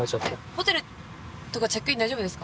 ホテルとかチェックイン大丈夫ですか？